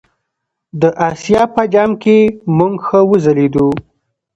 د آسیا په جام کې موږ ښه وځلیدو.